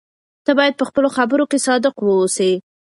ته باید په خپلو خبرو کې صادق واوسې.